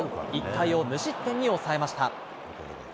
１回を無失点に抑えました。